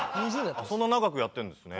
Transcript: あっそんな長くやってるんですね。